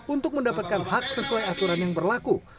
untuk mendapatkan hak sesuai aturan yang berlaku